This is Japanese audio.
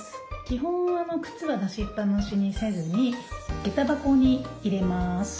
基本は靴は出しっぱなしにせずにげた箱に入れます。